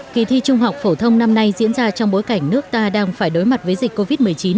kỳ thi trung học phổ thông năm nay diễn ra trong bối cảnh nước ta đang phải đối mặt với dịch covid một mươi chín